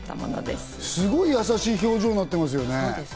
すごくやさしい表情になってますね。